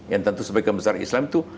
yang tentu sebagai kebesaran islam itu